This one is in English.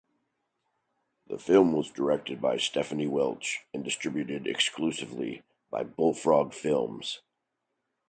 The film was directed by Stephanie Welch and distributed exclusively by Bullfrog Films.